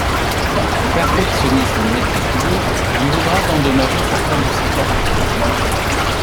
Son perfectionnisme méticuleux lui vaudra d’endommager certains de ces portraits.